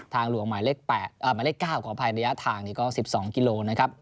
ทางหลวงหมายเลข๙กว่าภายระยะทางก็๑๒กิโลนะครับ